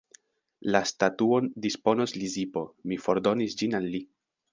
La statuon disponos Lizipo, mi fordonis ĝin al li.